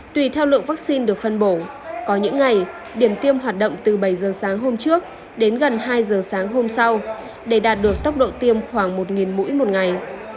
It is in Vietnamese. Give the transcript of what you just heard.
tùy theo lượng vaccine được phân bổ có những ngày điểm tiêm hoạt động từ bảy giờ sáng hôm trước đến gần hai giờ sáng hôm sau để đạt được tốc độ tiêm khoảng một mũi một ngày